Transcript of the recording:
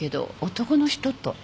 男の人と？